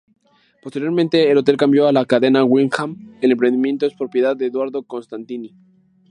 Posteriormente el hotel cambió a la cadena Wyndham.El emprendimiento es propiedad de Eduardo Constantini.